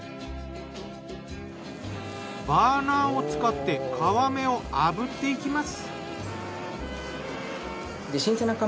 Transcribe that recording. バーナーを使って皮目を炙っていきます。